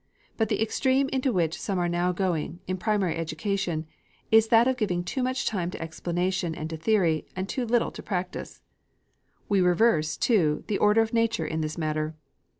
But the extreme into which some are now going, in primary education, is that of giving too much time to explanation and to theory, and too little to practice. We reverse, too, the order of nature in this matter.